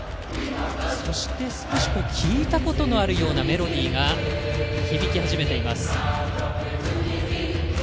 そして、少し聴いたことのあるようなメロディーが響き始めています。